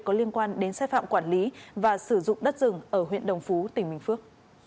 có liên quan đến sai phạm quản lý và sử dụng đất rừng ở huyện đồng phú tỉnh bình phước